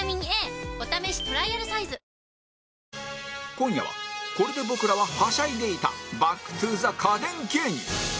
今夜はこれで僕らはハシャいでいたバック・トゥ・ザ家電芸人